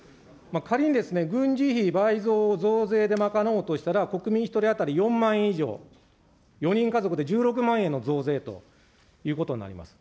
仮にですね、軍事費倍増を増税で賄おうとしたら、国民１人当たり４万円以上、４人家族で１６万円の増税ということになります。